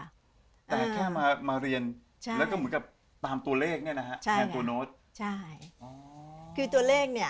แต่แค่มาเรียนแล้วก็เหมือนกับตามตัวเลขเนี่ยนะฮะใช่ค่ะแทนตัวโน้ตใช่